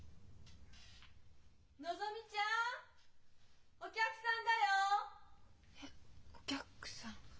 ・のぞみちゃんお客さんだよ！えっお客さん？